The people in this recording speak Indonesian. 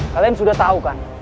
kalian sudah tahu kan